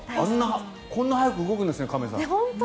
こんな速く動くんですね亀さん。